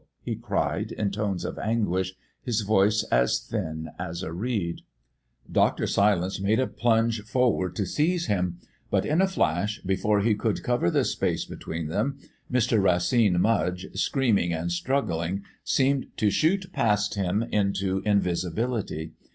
he cried in tones of anguish, his voice as thin as a reed. Dr. Silence made a plunge forward to seize him, but in a flash, before he could cover the space between them, Mr. Racine Mudge, screaming and struggling, seemed to shoot past him into invisibility.